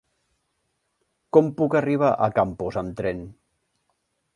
Com puc arribar a Campos amb tren?